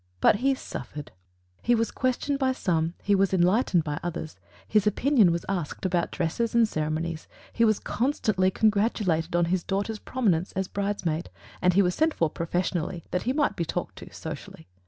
But he suffered. He was questioned by some, he was enlightened by others; his opinion was asked about dresses and ceremonies, he was constantly congratulated on his daughter's prominence as bridesmaid, and he was sent for professionally, that he might be talked to socially.